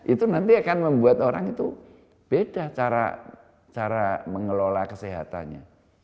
itu nanti akan membuat orang itu beda cara mengelola kesehatannya